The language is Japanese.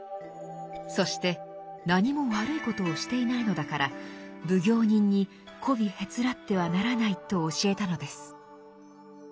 そして何も悪いことをしていないのだから奉行人にこびへつらってはならないと教えたのです。